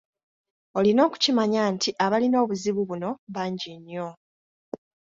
Olina okukimanya nti abalina obuzibu buno bangi nnyo.